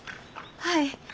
はい。